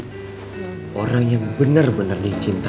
hingga saatnya telah tiba